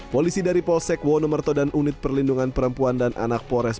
polisi dari polsek wonomerto dan unit perlindungan perempuan dan anak polres